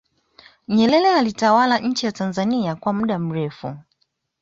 nyerere alitawala nchi ya tanzania kwa muda mrefu